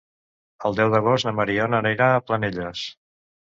El deu d'agost na Mariona anirà a Penelles.